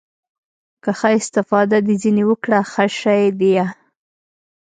که ښه استفاده دې ځنې وکړه ښه شى ديه.